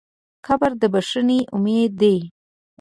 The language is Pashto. قبر د بښنې امید دی.